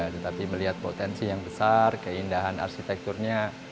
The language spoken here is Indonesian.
tetapi melihat potensi yang besar keindahan arsitekturnya